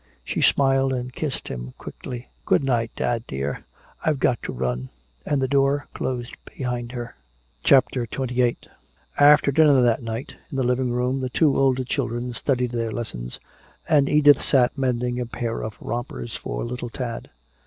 She smiled and kissed him quickly. "Good night, dad dear, I've got to run." And the door closed behind her. CHAPTER XXVIII After dinner that night, in the living room the two older children studied their lessons and Edith sat mending a pair of rompers for little Tad.